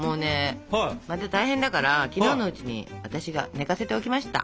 また大変だから昨日のうちに私が寝かせておきました。